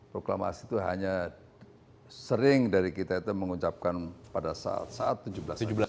proklamasi itu hanya sering dari kita itu mengucapkan pada saat saat tujuh belas tujuh belas